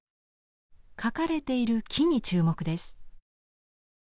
描かれている木に注目です。